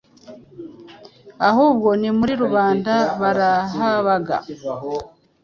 ahubwo no muri rubanda zarahabaga.